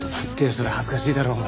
それ恥ずかしいだろお前。